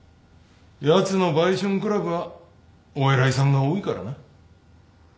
やつの売春クラブはお偉いさんが多いからな。